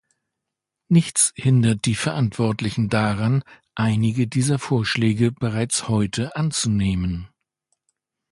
Nichts hindert die Verantwortlichen daran, einige dieser Vorschläge bereits heute anzunehmen.